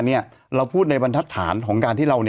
เราพูดในบรรทัศนของการที่เรา